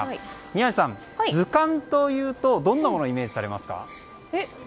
宮司さん、図鑑というとどんなものをイメージされますか。